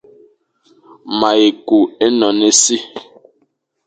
Ma yi kù énon e si.